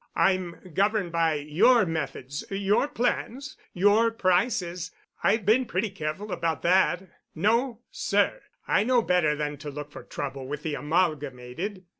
I'm governed by your methods, your plans, your prices. I've been pretty careful about that. No, sir, I know better than to look for trouble with the Amalgamated."